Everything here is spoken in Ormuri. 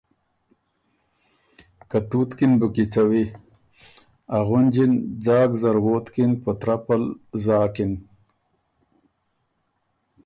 که تُوت کی ن بُو کیڅَوی ا غُںجی ن ځاک زر ووتکِن په ترپه ل زاکِن۔